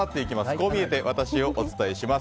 こう見えてワタシをお伝えします。